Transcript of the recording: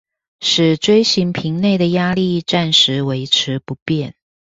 使錐形瓶內的壓力暫時維持不變